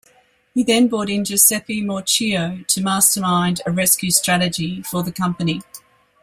He then brought in Giuseppe Morchio to mastermind a rescue strategy for the company.